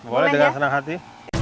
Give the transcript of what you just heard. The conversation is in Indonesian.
boleh dengan senang hati